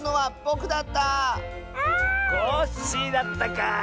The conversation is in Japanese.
コッシーだったかあ。